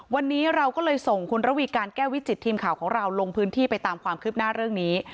วันนี้เราก็เลยส่งคุณระวีการแก้ววิจิตทีมข่าวของเราลงพื้นที่ไปตามความคืบหน้าเรื่องนี้